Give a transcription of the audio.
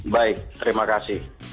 baik terima kasih